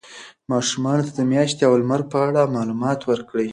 ماشومانو ته د میاشتې او لمر په اړه معلومات ورکړئ.